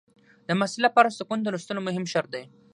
د محصل لپاره سکون د لوستلو مهم شرط دی.